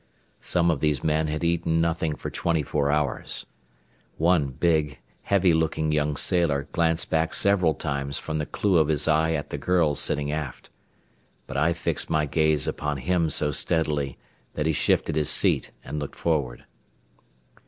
Some of these men had eaten nothing for twenty four hours. One big, heavy looking young sailor glanced back several times from the clew of his eye at the girl sitting aft. But I fixed my gaze upon him so steadily that he shifted his seat and looked forward.